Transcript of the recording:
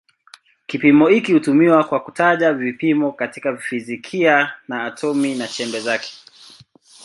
Kipimo hiki hutumiwa kwa kutaja vipimo katika fizikia ya atomi na chembe zake.